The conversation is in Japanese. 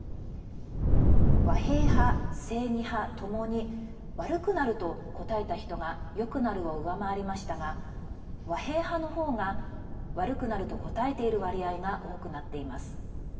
和平派、正義派ともに悪くなると答えた人が良くなるを上回りましたが和平派のほうが悪くなると答えている割合が多くなっています。